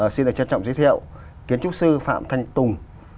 xin được trân trọng giới thiệu kiến trúc sư phạm thanh tùng